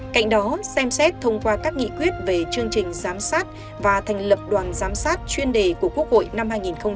cạnh đó xem xét thông qua các nghị quyết về chương trình giám sát và thành lập đoàn giám sát chuyên đề của quốc hội năm hai nghìn hai mươi